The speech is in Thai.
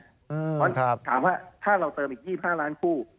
แต่ก็ยังหินไม่พอนะครับก็จะต้องเพิ่มไปอีก๕๐ล้านคู่